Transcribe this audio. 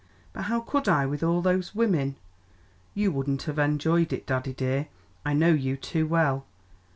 But how could I, with all those women? You wouldn't have enjoyed it, daddy dear; I know you too well.